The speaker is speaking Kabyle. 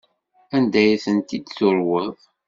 Anda ay ten-id-turweḍ?